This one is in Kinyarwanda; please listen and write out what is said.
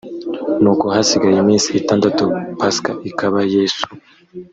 nuko hasigaye iminsi itandatu pasika ikaba yesu